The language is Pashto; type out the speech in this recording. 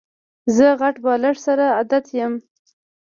زه غټ بالښت سره عادت یم.